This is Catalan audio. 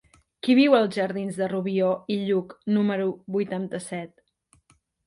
Qui viu als jardins de Rubió i Lluch número vuitanta-set?